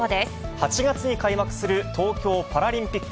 ８月に開幕する東京パラリンピック。